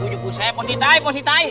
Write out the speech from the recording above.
bujuk bujuk saya positai positai